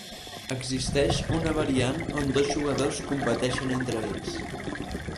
Existeix una variant on dos jugadors competeixen entre ells.